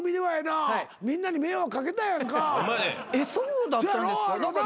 そうだったんですか？